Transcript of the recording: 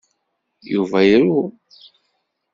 Yuba iru.